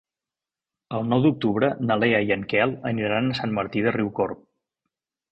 El nou d'octubre na Lea i en Quel aniran a Sant Martí de Riucorb.